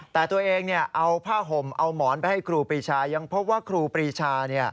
แต่ตัวเองเอาผ้าห่มเอาหมอนไปให้ครูปรีชายังพบว่าครูปรีชา